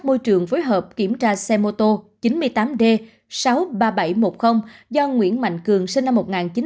bộ trưởng phối hợp kiểm tra xe mô tô chín mươi tám d sáu mươi ba nghìn bảy trăm một mươi do nguyễn mạnh cường sinh năm một nghìn chín trăm tám mươi